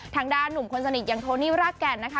ทางด้านหนุ่มคนสนิทอย่างโทนี่รากแก่นนะคะ